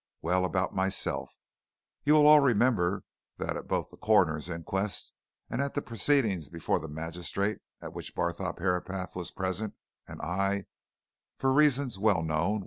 Well, about myself you will all remember that at both the coroner's inquest and at the proceedings before the magistrate at which Barthorpe Herapath was present and I for reasons well known!